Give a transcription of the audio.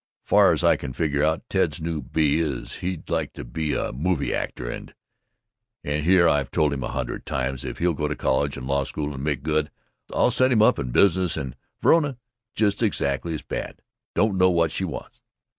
Far as I can figure out, Ted's new bee is he'd like to be a movie actor and And here I've told him a hundred times, if he'll go to college and law school and make good, I'll set him up in business and Verona just exactly as bad. Doesn't know what she wants.